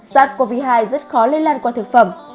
sars cov hai rất khó lây lan qua thực phẩm